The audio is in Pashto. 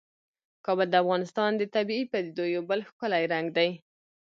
کابل د افغانستان د طبیعي پدیدو یو بل ښکلی رنګ دی.